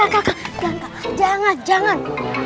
kakak jangan kakak jangan